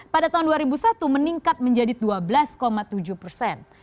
pada tahun dua ribu satu meningkat menjadi dua belas tujuh persen